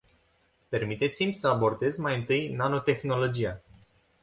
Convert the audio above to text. Permiteți-mi să abordez mai întâi nanotehnologia.